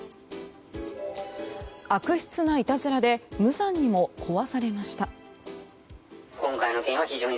悪質ないたずらで無残にも壊されました。